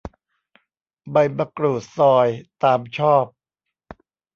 ใบมะกรูดซอย ตามชอบ